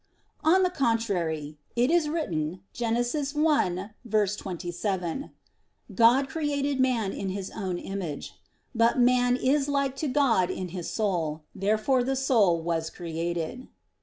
On the contrary, It is written (Gen. 1:27): "God created man to His own image." But man is like to God in his soul. Therefore the soul was created.